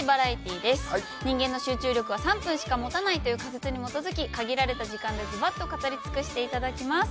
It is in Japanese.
人間の集中力は３分しか持たないという仮説に基づき限られた時間でズバッと語り尽くしていただきます。